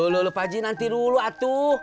lo lo pak haji nanti dulu atuh